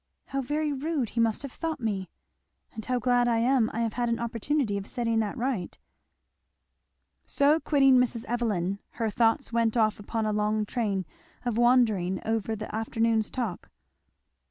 How very rude he must have thought me! And how glad I am I have had an opportunity of setting that right." So quitting Mrs. Evelyn her thoughts went off upon a long train of wandering over the afternoon's talk.